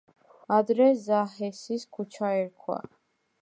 ადრე ზაჰესის ქუჩა ერქვა.